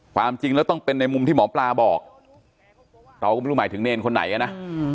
ความจริงแล้วต้องเป็นในมุมที่หมอปลาบอกเราก็ไม่รู้หมายถึงเนรคนไหนอ่ะนะ